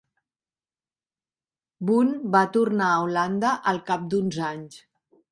Boon va tornar a Holanda al cap d'uns anys.